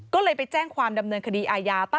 ก็เลยไปแจ้งความดำเนินคดีอาญา